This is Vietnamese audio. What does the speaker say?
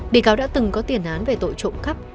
bị cáo đã từng có tiền án về tội trộm cắp